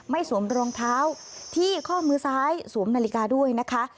สวมรองเท้าที่ข้อมือซ้ายสวมนาฬิกาด้วยนะคะ